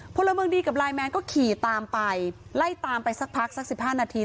พลเมืองดีกับไลน์แมนก็ขี่ตามไปไล่ตามไปสักพักสักสิบห้านาที